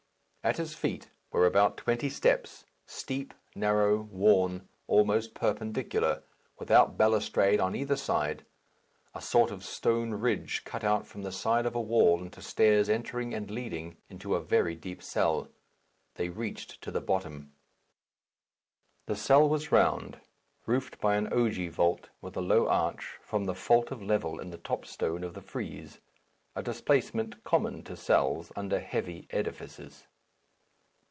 At his feet were about twenty steps, steep, narrow, worn, almost perpendicular, without balustrade on either side, a sort of stone ridge cut out from the side of a wall into stairs, entering and leading into a very deep cell. They reached to the bottom. The cell was round, roofed by an ogee vault with a low arch, from the fault of level in the top stone of the frieze, a displacement common to cells under heavy edifices.